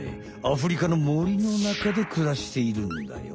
アフリカのもりのなかでくらしているんだよ。